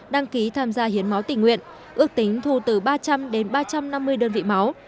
đăng ký tham gia hiến máu tỉnh nguyện ước tính thu từ ba trăm linh đến ba trăm năm mươi đơn vị máu